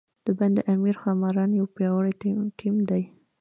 د بند امیر ښاماران یو پیاوړی ټیم دی.